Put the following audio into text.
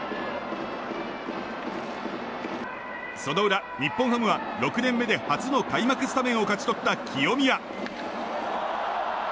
その裏、日本ハムは６年目で初の開幕スタメンを勝ち取った清宮。